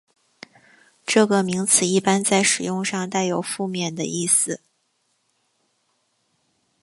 这个名词一般在使用上带有负面的意思。